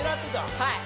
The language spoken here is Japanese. はい！